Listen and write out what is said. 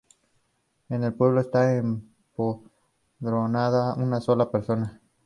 En el pueblo está empadronada una sola persona.